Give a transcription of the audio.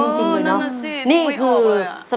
ขอบคุณค่ะ